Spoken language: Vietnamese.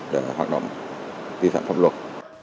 để hoạt động vi phạm pháp luật